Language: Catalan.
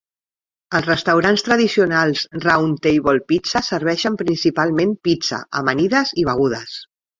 Els restaurants tradicionals Round Table Pizza serveixen principalment pizza, amanides i begudes.